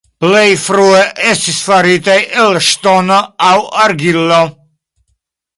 Plej frue estis faritaj el ŝtono aŭ argilo.